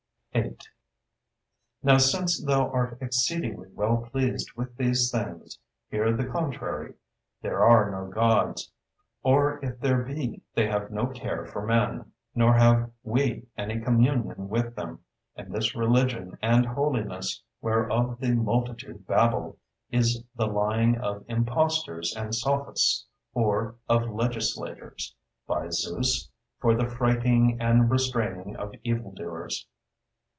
8.——"Now since thou art exceedingly well pleased with these things, hear the contrary: There are no Gods, or if there be, they have no care for men, nor have we any communion with them; and this religion and holiness, whereof the multitude babble, is the lying of impostors and sophists, or of legislators, by Zeus! for the frighting and restraining of evil doers."